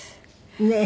ねえ。